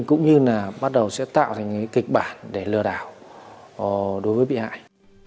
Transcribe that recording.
cũng như là bắt đầu sẽ tạo thành kịch bản để lừa đảo đối với bị hại